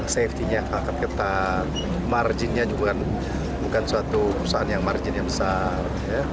safety nya sangat ketat margin nya juga bukan suatu perusahaan yang margin besar